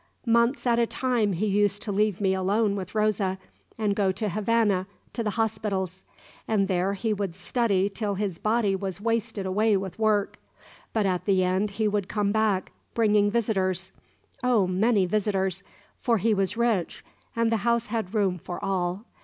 Months at a time he used to leave me alone with Rosa, and go to Havana, to the hospitals; and there he would study till his body was wasted away with work; but at the end he would come back, bringing visitors. Oh, many visitors! for he was rich, and the house had room for all.